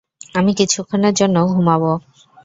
আমি কিছুক্ষণের জন্য ঘুমাবো।